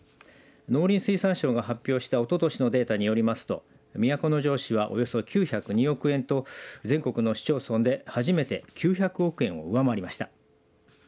農林水産省が発表したおととしのデータによりますと都城市はおよそ９０２億円と全国の市町村で初めて９００億円を上回りました。